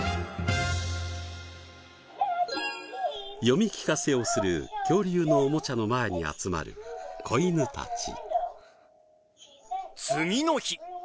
読み聞かせをする恐竜のおもちゃの前に集まる子犬たち。